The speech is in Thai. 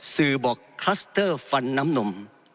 สื่อบอกคลัสเตอร์ฟันน้ำนม